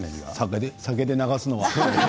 酒で流すのは。